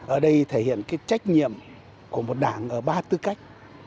ở đây thể hiện cái trách nhiệm của một đảng ở ba tư cách